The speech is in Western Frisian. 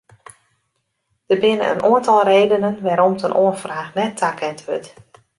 Der binne in oantal redenen wêrom't in oanfraach net takend wurdt.